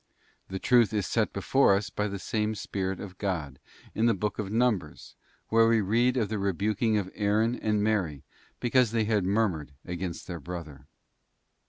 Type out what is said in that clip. This truth is set before us by the same Spirit of God in the book of Numbers, where we read _ of the rebuking of Aaron and Mary, because they had mur _ mured against their brother.